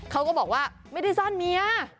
เขาก็บอกว่าไม่ได้ซ่อนเมีย